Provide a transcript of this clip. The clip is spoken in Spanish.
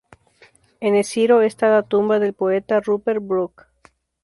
En Esciro esta la tumba del poeta Rupert Brooke.